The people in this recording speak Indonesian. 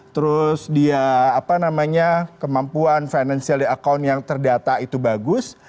terus dia apa namanya kemampuan financially account yang terdata itu bagus